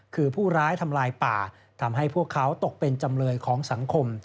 คือผู้ร้ายทำลายป่าทำให้พวกเขาตกเป็นจำเลยของสังคม